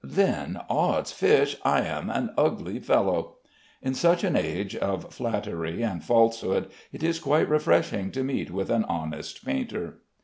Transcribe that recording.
then, oddsfish! I am an ugly fellow." In such an age of flattery and falsehood it is quite refreshing to meet with an honest painter.